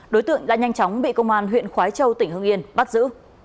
đối tượng đã nhanh chóng bị công an huyện khói châu tỉnh hương yên bắt giữ